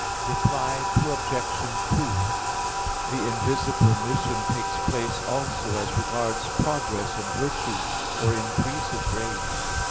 Reply Obj. 2: The invisible mission takes place also as regards progress in virtue or increase of grace.